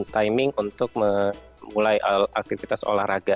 timing untuk memulai aktivitas olahraga